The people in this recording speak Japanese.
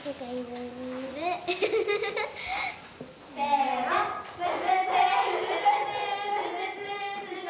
・せの！